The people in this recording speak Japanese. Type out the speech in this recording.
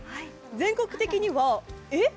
全国的には、えっ？